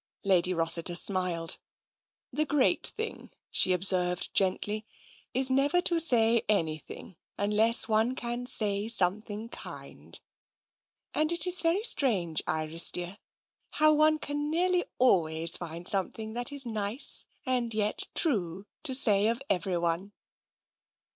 Lady Rossiter smiled. " The great thing," she observed gently, " is never to say anything, unless one can say something kind. And it is very strange, Iris dear, how one can nearly always find something that is nice and yet true, to say of everyone."